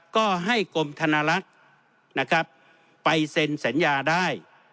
ก็ให้กรมธนลักษณ์นะครับไปเซ็นสัญญาได้